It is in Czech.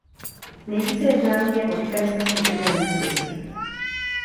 Nejvíce je známý jako kytarista skupiny Limp Bizkit.